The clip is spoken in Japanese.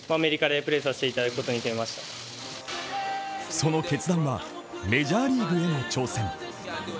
その決断はメジャーリーグへの挑戦。